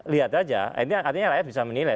lihat aja artinya rakyat bisa menilai